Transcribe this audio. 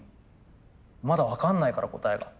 まだ分かんないから答えが。